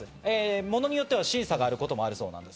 ものによっては審査があることもあるそうです。